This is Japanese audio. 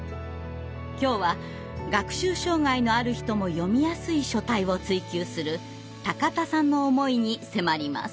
今日は学習障害のある人も読みやすい書体を追求する高田さんの思いに迫ります。